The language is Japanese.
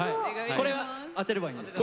これは当てればいいんですか？